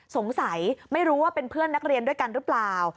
สงสัยไม่รู้ว่าเป็นเพื่อนนักเรียนด้วยกันหรือเปล่า